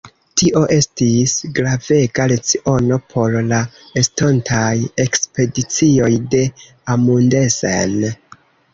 Tio estis gravega leciono por la estontaj ekspedicioj de Amundsen.